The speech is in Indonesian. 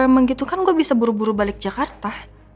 kalau emang gitu kan gue bisa buru buru balik jakarta